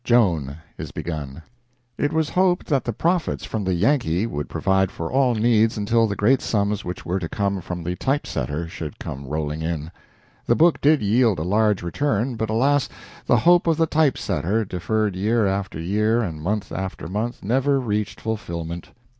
"JOAN" IS BEGUN It was hoped that the profits from the Yankee would provide for all needs until the great sums which were to come from the type setter should come rolling in. The book did yield a large return, but, alas! the hope of the type setter, deferred year after year and month after month, never reached fulfilment.